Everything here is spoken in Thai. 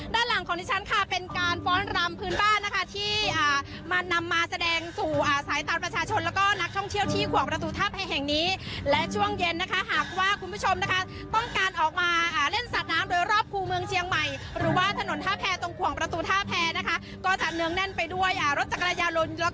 ด้านหลังของดิฉันค่ะเป็นการฟ้อนรำพื้นบ้านนะคะที่มานำมาแสดงสู่สายตาประชาชนแล้วก็นักท่องเที่ยวที่ขวงประตูท่าแพรแห่งนี้และช่วงเย็นนะคะหากว่าคุณผู้ชมนะคะต้องการออกมาเล่นสาดน้ำโดยรอบคู่เมืองเชียงใหม่หรือว่าถนนท่าแพรตรงขวงประตูท่าแพรนะคะก็จะเนื้องแน่นไปด้วยรถจักรยานย